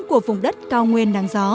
của vùng đất cao nguyên